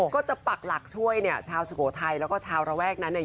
ปักหลักช่วยเนี่ยชาวสุโขทัยแล้วก็ชาวระแวกนั้นเนี่ย